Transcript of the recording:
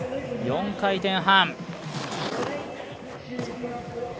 ４回転半。